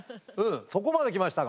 そこまできましたが。